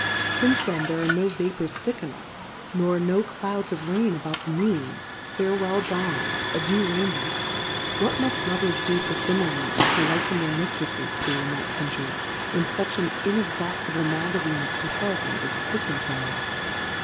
Since then there are no Vapours thick enough, nor no Clouds of Rain about the Moon, farewell Dawn, adieu Rainbow : What muft Plurality ^/WORLDS. 8y muft Lovers do for Similies to liken their MiftrelTes to, in that Country, when fuch an inexhauftible Magazine of Comparifons is taken from them